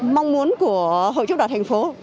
mong muốn của hội chứa thập đỏ thành phố